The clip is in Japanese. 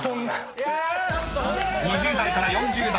［２０代から４０代